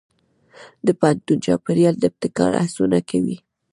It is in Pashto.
د پوهنتون چاپېریال د ابتکار هڅونه کوي.